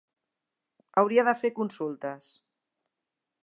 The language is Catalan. Hauria de fer consultes.